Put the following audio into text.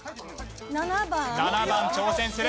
７番挑戦する。